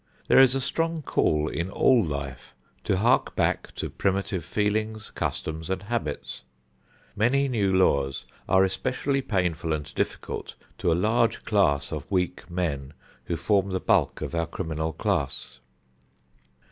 There is a strong call in all life to hark back to primitive feelings, customs and habits. Many new laws are especially painful and difficult to a large class of weak men who form the bulk of our criminal class.